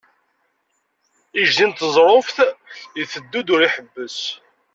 Ijdi n tneẓruft iteddu-d ur iḥebbes.